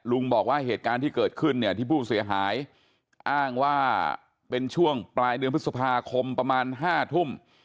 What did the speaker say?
บอกว่าเหตุการณ์ที่เกิดขึ้นเนี่ยที่ผู้เสียหายอ้างว่าเป็นช่วงปลายเดือนพฤษภาคมประมาณ๕ทุ่ม